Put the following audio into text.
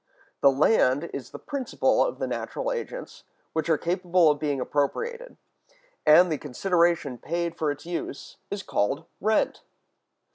The land is the principal of the natural agents which are capable of being appropriated, and the consideration paid for its use is called rent.